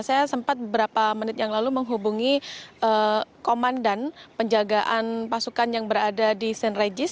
saya sempat beberapa menit yang lalu menghubungi komandan penjagaan pasukan yang berada di st regis